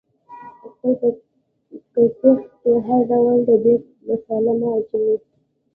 خپل په کتغ کې هر ډول د دیګ مثاله مه اچوئ